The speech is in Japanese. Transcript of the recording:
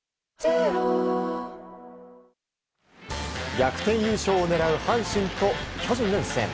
逆転優勝を狙う阪神と巨人の一戦。